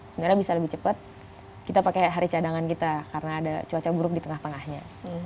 sebenarnya bisa lebih cepat kita pakai hari cadangan kita karena ada cuaca buruk di tengah tengahnya